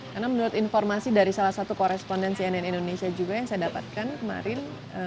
karena menurut informasi dari salah satu koresponden cnn indonesia juga yang saya dapatkan kemarin